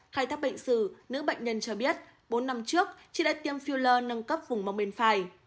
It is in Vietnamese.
khai thác bệnh sử nữ bệnh nhân cho biết bốn năm trước chị đã tiêm filler nâng cấp vùng mông bên phải